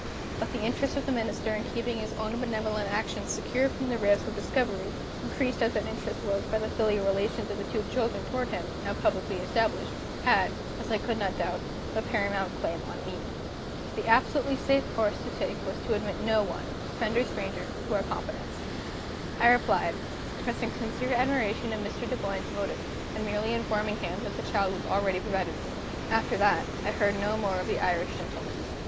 But the interest of the Minister in keeping his own benevolent action secure from the risk of discovery increased as that interest was by the filial relations of the two children toward him, now publicly established had, as I could not doubt, the paramount claim on me. The absolutely safe course to take was to admit no one, friend or stranger, to our confidence. I replied, expressing sincere admiration of Mr. Dunboyne's motives, and merely informing him that the child was already provided for. After that, I heard no more of the Irish gentleman.